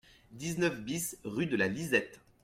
dix-neuf BIS rue de la Lisette